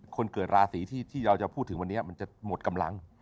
คนเกิดราศีที่เราจะพูดถึงวันนี้มันจะหมดกำลัง